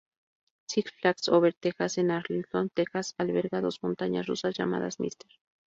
Six Flags Over Texas en Arlington, Texas alberga dos montañas rusas llamadas Mr.